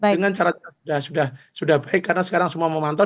dengan cara cara sudah baik karena sekarang semua memantau